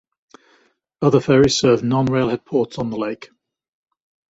Other ferries serve non-railhead ports on the lake.